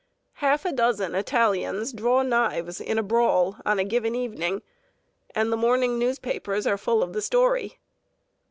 Half a dozen Italians draw knives in a brawl on a given evening, and the morning newspapers are full of the story.